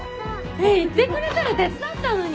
言ってくれたら手伝ったのに。